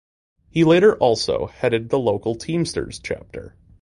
He later also headed the local Teamsters chapter.